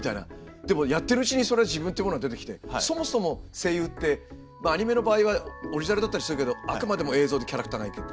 でもやってるうちにそれは自分っていうものが出てきてそもそも声優ってアニメの場合はオリジナルだったりするけどあくまでも映像でキャラクターがいて。